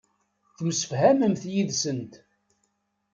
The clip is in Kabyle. Temsefhamemt yid-sent.